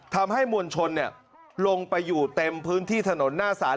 ทำให้มวลชนลงไปอยู่เต็มพื้นที่ถนนหน้าศาล